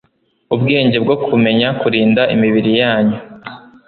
ubwenge bwo kumenya kurinda imibiri yanyu,